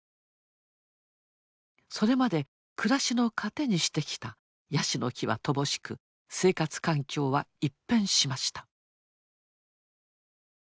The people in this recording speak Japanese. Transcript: それまで暮らしの糧にしてきたヤシの木は乏しく生活環境は一変しました。